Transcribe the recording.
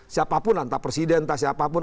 siapapun entah presiden entah siapapun